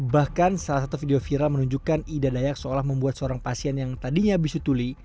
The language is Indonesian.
bahkan salah satu video viral menunjukkan ida dayak seolah membuat seorang pasien yang tadinya bisutuli